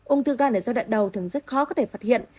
ung thư gan ở giai đoạn đầu thường rất khó có thể phát hiện